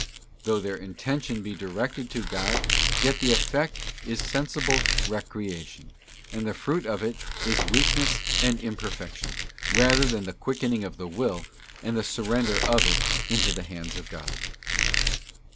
Though their intention be directed to God, yet the effect is sensible recreation, and the fruit of it is weakness and imperfection, rather than the quickening of the will, and the surrender of it into the hands of God.